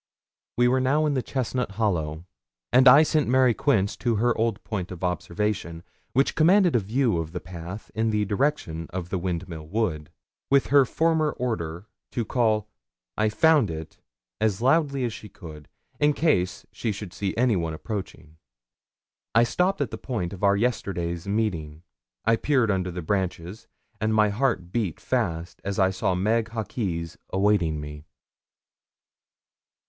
We were now in the Chestnut Hollow, and I sent Mary Quince to her old point of observation, which commanded a view of the path in the direction of the Windmill Wood, with her former order to call 'I've found it,' as loudly as she could, in case she should see anyone approaching. I stopped at the point of our yesterday's meeting. I peered under the branches, and my heart beat fast as I saw Meg Hawkes awaiting me.